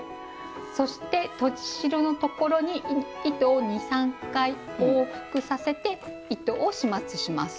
そしてとじ代のところに糸を２３回往復させて糸を始末します。